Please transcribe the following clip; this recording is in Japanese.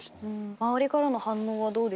周りからの反応はどうでした？